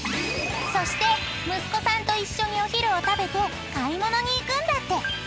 ［そして息子さんと一緒にお昼を食べて買い物に行くんだって］